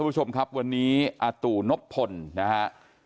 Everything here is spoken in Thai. คุณผู้ชมครับวันนี้อาตู่นบพลนะฮะ